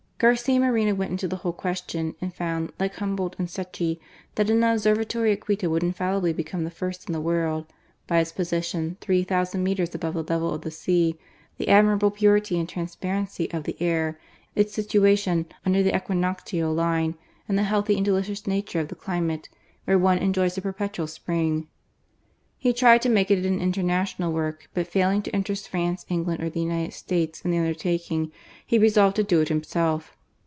Garcia Moreno went into the whole question and found, like Humboldt and Secchi, that an Observatory at Quito would infallibly PUBLIC EDUCATION. 235 become the first in the world, "by its position, three thousand metres above the level of the sea, the admirable purity and transparency of the air, its situation under the equinoctial line, and the healthy and delicious nature of the climate, where one enjoys a perpetual spring." He tried to make it an international work: but failing to interest France, England, or the United States, in the undertaking, he resolved to do it himself.